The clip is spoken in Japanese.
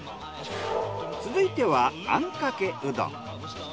続いてはあんかけうどん。